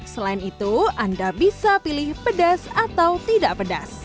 selain itu anda bisa pilih pedas atau tidak pedas